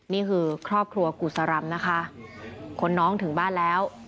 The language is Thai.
นี่คือครอบครัวกุศรำนะคะคนน้องถึงบ้านแล้ว